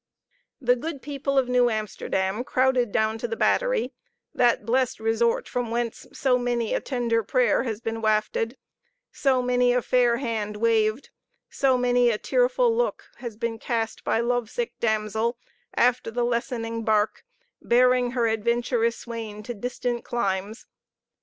The good people of New Amsterdam crowded down to the Battery that blest resort, from whence so many a tender prayer has been wafted, so many a fair hand waved, so many a tearful look been cast by love sick damsel, after the lessening barque, bearing her adventurous swain to distant climes!